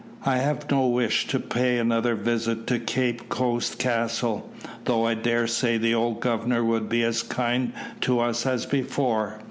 I have no wish to pay another visit to Cape Coast Castle, though I dare say the old governor would be as kind to us as before."